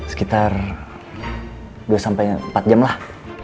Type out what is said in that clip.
sekitar dua sampai empat jam lah